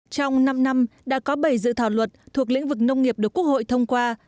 trong năm năm đã có bảy dự thảo luật thuộc lĩnh vực nông nghiệp được quốc hội thông qua